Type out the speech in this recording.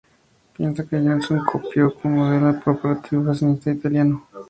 Se piensa que Johnson copió como modelo el corporativismo fascista italiano.